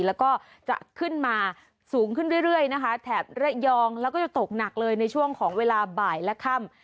แล้วก็จะขึ้นมาสูงขึ้นเรื่อยนะคะแถบระยองแล้วก็จะตกหนักเลยในช่วงของเวลาบ่ายและค่ำ